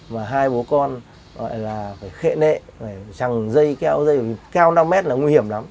mà hai bố con gọi là phải khệ nệ phải chằng dây keo dây cao năm mét là nguy hiểm lắm